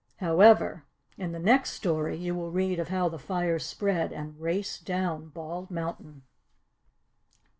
However, in the next story you will read of how the fire spread and raced down Bald Mountain.